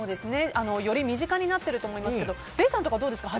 より身近になっていると思いますけども礼さんとか、どうですか？